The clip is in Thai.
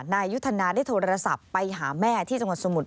นายยุทธนาได้โทรศัพท์ไปหาแม่ที่จังหวัดสมุทร